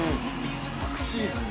昨シーズン